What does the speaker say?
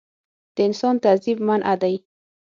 د انسان تعذیب منعه دی.